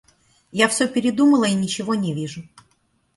Я всё передумала и ничего не вижу.